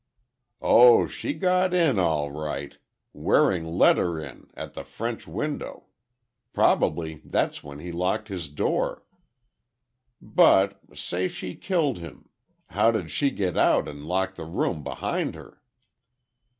"Oh, she got in, all right. Waring let her in, at the French window. Probably that's when he locked his door. But—say she killed him—how did she get out and lock the room behind her?"